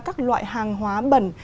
các loại hàng hóa bẩn